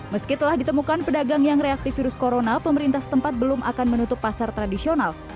meski telah ditemukan pedagang yang reaktif virus corona pemerintah setempat belum akan menutup pasar tradisional